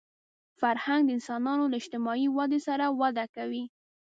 فرهنګ د انسانانو له اجتماعي ودې سره وده کوي